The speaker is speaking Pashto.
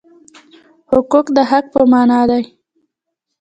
حقوق د حق په مانا دي.